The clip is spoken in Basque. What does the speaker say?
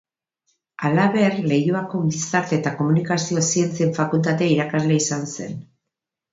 Halaber, Leioako Gizarte eta Komunikazio Zientzien Fakultatea irakasle izan zen.